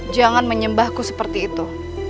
jangan menyembahku seperti itu